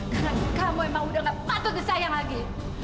karena kamu emang udah nggak patut disayang lagi